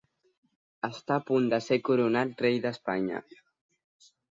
Està a punt de ser coronat Rei d'Espanya.